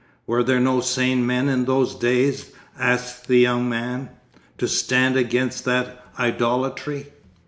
'Were there no sane men in those days,' asked the young man, 'to stand against that idolatry?